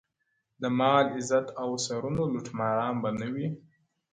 د مال- عزت او د سرونو لوټماران به نه وي-